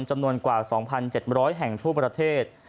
จำนวนกว่า๒๗๐๐แห่งทั่วประเทศ